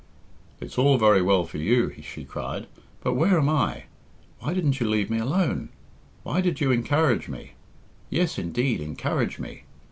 "It's all very well for you," she cried, "but where am I? Why didn't you leave me alone? Why did you encourage me? Yes, indeed, encourage me!